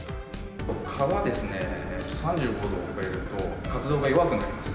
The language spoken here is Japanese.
蚊は３５度を超えると、活動が弱くなります。